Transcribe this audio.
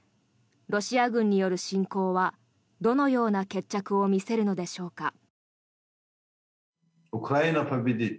ロシア軍による侵攻はどのような決着を見せるのでしょうか。